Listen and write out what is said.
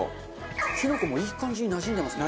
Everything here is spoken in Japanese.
きのこもいい感じになじんでますね。